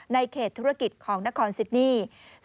ในเขตธุรกิจของนครซิดนี่